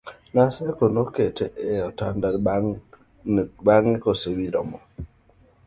Naseko noketi e otanda bang'e ka ne osewire mo